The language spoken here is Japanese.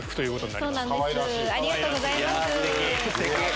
ありがとうございます。